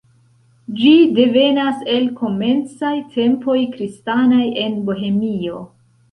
Ĝi devenas el komencaj tempoj kristanaj en Bohemio.